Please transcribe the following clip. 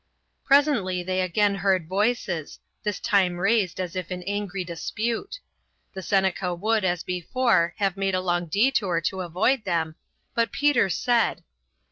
Presently they again heard voices, this time raised as if in angry dispute. The Seneca would, as before, have made a long détour to avoid them, but Peter said.